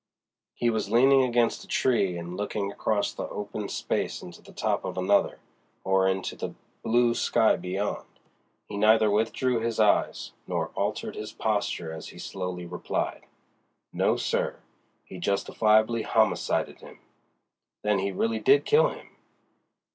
He was leaning against a tree and looking across the open space into the top of another, or into the blue sky beyond. He neither withdrew his eyes, nor altered his posture as he slowly replied: "No, sir; he justifiably homicided him." "Then he really did kill him."